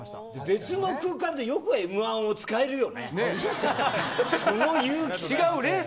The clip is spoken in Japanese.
別の空間でよくＭ‐１を使えるよね。